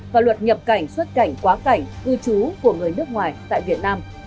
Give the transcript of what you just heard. và luật nhập cảnh xuất cảnh quá cảnh cư trú của người nước ngoài tại việt nam